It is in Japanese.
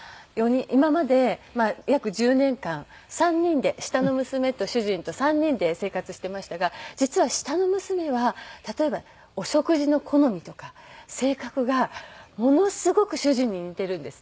今まで約１０年間３人で下の娘と主人と３人で生活していましたが実は下の娘は例えばお食事の好みとか性格がものすごく主人に似ているんですね。